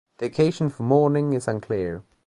The occasion for mourning is unclear.